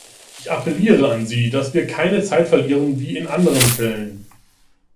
Ich appelliere an Sie, dass wir keine Zeit verlieren wie in anderen Fällen.